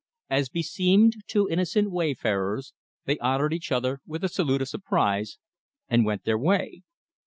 As beseemed two innocent wayfarers they honored each other with a salute of surprise, and went their way.